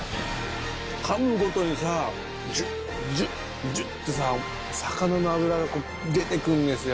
噛むごとにさジュジュジュってさ魚の脂が出てくんですよ